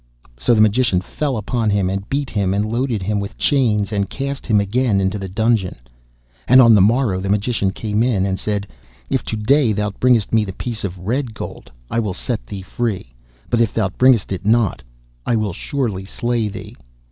So the Magician fell upon him, and beat him, and loaded him with chains, and cast him again into the dungeon. And on the morrow the Magician came to him, and said, 'If to day thou bringest me the piece of red gold I will set thee free, but if thou bringest it not I will surely slay thee.